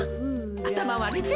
あたまをあげて。